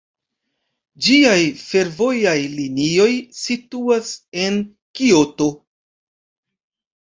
Ĝiaj fervojaj linioj situas en Kioto.